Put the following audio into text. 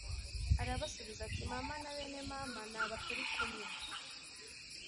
Arabasubiza ati mama na bene mama naba turi kumwe